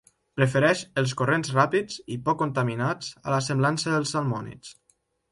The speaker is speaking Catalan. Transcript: Prefereix els corrents ràpids i poc contaminats a la semblança dels salmònids.